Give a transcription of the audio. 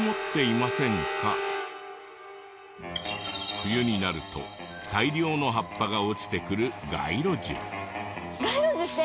冬になると大量の葉っぱが落ちてくる街路樹。